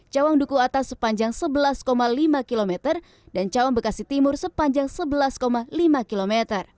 cawang duku atas sepanjang sebelas lima km dan cawang bekasi timur sepanjang sebelas lima km